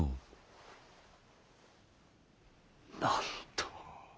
なんと。